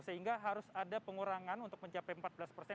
sehingga harus ada pengurangan untuk mencapai empat belas persen